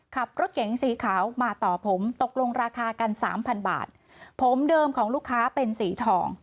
ขับรถเก๋งสีขาวมาต่อผมตกลงราคากันสามพันบาทผมเดิมของลูกค้าเป็นสีทอง